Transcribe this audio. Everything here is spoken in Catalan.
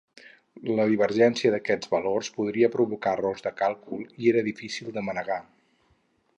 La divergència d'aquests valors podria provocar errors de càlcul i era difícil de manegar.